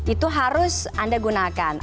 itu harus anda gunakan